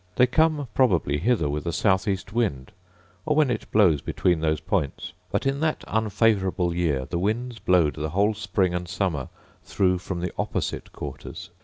They come probably hither with a south east wind, or when it blows between those points; but in that unfavourable year the winds blowed the whole spring and summer through from the opposite quarters.